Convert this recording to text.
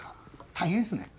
大変っすね。